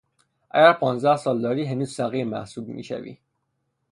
اگر پانزده سال داری هنوز صغیر محسوب میشوی